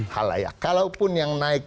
hal layak kalaupun yang naik